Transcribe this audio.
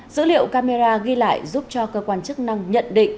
dữ liệu camera ghi lại giúp cho cơ quan chức năng nhận định